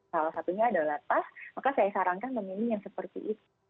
salah satunya adalah tas maka saya sarankan memilih yang seperti itu